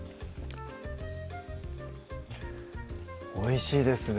おいしいですね